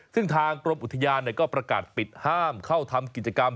ซึ่งทางกรมอุทยานก็ประกาศปิดห้ามเข้าทำกิจกรรม